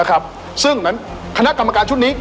อัศวินตรีอัศวินตรี